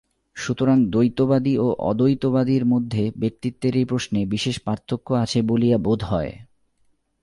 সুতরাং দ্বৈতবাদী ও অদ্বৈতবাদীর মধ্যে ব্যক্তিত্বের এই প্রশ্নে বিশেষ পার্থক্য আছে বলিয়া বোধ হয়।